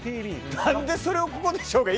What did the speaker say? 何でそれをここで紹介を。